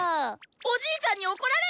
おじーちゃんに怒られる！